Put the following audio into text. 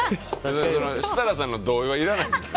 設楽さんの同意はいらないんですよ。